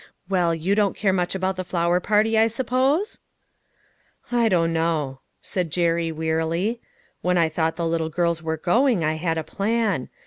Well, you don't care much about the flower party, I suppose ?"" I don't now," said Jerry, wearily. " "When I thought the little girls were going, I had a plan.